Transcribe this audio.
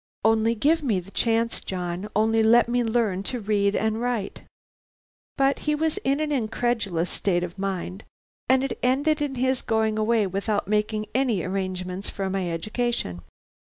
Only give me the chance, John; only let me learn to read and write.' "But he was in an incredulous state of mind, and it ended in his going away without making any arrangements for my education.